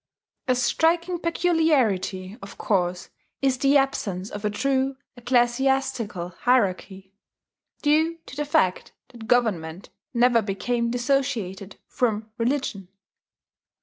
A striking peculiarity, of course, is the absence of a true ecclesiastical hierarchy, due to the fact that Government never became dissociated from religion.